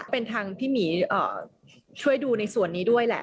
เป็นทางพี่หมีช่วยดูในส่วนนี้ด้วยแหละ